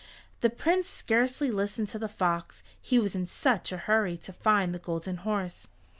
The Prince scarcely listened to the fox, he was in such a hurry to find the Golden Horse.